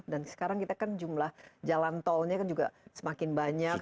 dan sekarang kita kan jumlah jalan tolnya kan juga semakin banyak